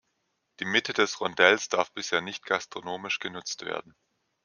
Die Mitte des Rondells darf bisher nicht gastronomisch genutzt werden.